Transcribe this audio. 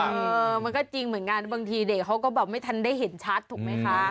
เออมันก็จริงเหมือนกันบางทีเด็กเขาก็แบบไม่ทันได้เห็นชัดถูกไหมคะ